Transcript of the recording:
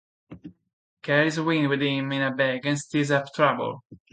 He carries wind with him in a bag and stirs up trouble.